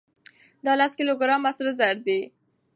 دا لس کيلو ګرامه سره زر دي.